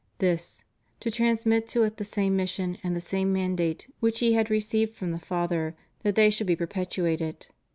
This: to transmit to it the same mission and the same mandate which He had received from the Father, that they should be perpetuated.